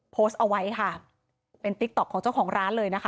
โพสเอาไว้ค่ะ